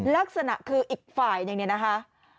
ลักษณะคืออีกฝ่ายอย่างนี้นะคะ